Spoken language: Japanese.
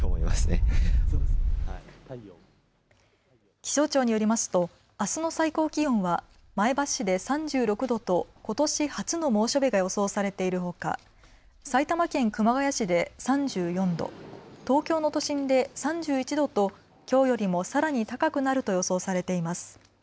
気象庁によりますとあすの最高気温は前橋市で３６度とことし初の猛暑日が予想されているほか埼玉県熊谷市で３４度、東京の都心で３１度ときょうよりもさらに高くなると予想されています。